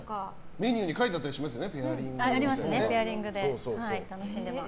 メニューに書いてあったりしますよね。